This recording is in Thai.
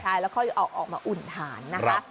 ใช่แล้วค่อยออกมาอุ่นฐานนะคะ